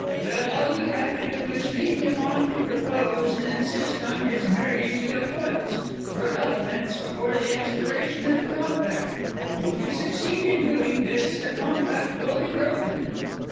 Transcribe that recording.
Well, all you have to do is to lead him on to propose and insist on his marrying you at once or at all events before the expiration of the Compact. If you succeed in doing this the Compact will be broken!"